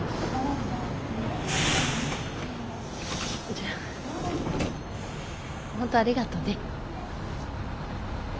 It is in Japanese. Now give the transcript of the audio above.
じゃあ本当ありがとね。